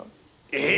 えっ？